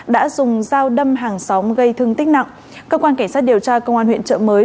đã dùng dao đâm hàng xóm gây thương tích nặng cơ quan cảnh sát điều tra công an huyện trợ mới